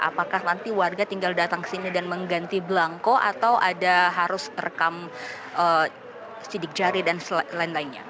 apakah nanti warga tinggal datang ke sini dan mengganti belangko atau ada harus rekam sidik jari dan lain lainnya